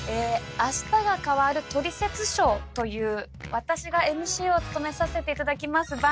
「あしたが変わるトリセツショー」という私がＭＣを務めさせて頂きます